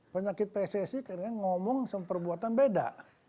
penyakit pssi karena ngomong seperbuatan beda